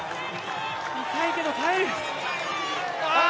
痛いけど耐える！